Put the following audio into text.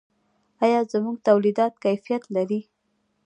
آیا زموږ تولیدات کیفیت لري؟